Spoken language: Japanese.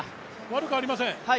悪くありません。